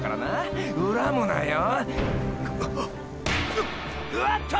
うわっと！！